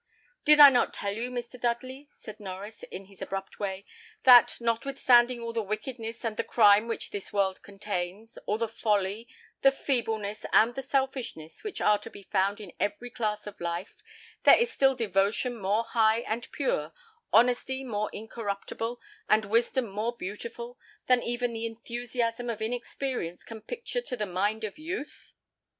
"Did I not tell you, Mr. Dudley," said Norries, in his abrupt way, "that, notwithstanding all the wickedness and the crime which this world contains, all the folly, the feebleness, and the selfishness which are to be found in every class of life, there is still devotion more high and pure, honesty more incorruptible, and wisdom more beautiful, than even the enthusiasm of inexperience can picture to the mind of youth?"